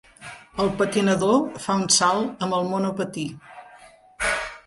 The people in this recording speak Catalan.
El patinador fa un salt amb el monopatí.